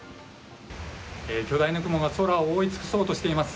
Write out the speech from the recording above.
巨大な雲が空を覆い尽くそうとしています。